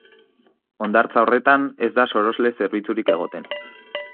Hondartza horretan ez da sorosle zerbitzurik egoten.